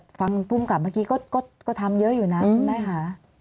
แต่ฟังพุ่งกลับเมื่อกี้ก็ทำเยอะอยู่นะคุณแม่ค่ะ